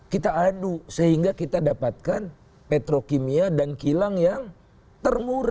kita adu sehingga kita dapatkan petrokimia dan kilang yang termurah